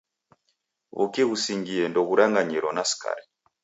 W'uki ghusingie ndoghuranganyiro na skari